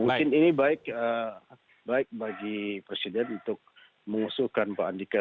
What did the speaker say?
mungkin ini baik bagi presiden untuk mengusulkan pak andika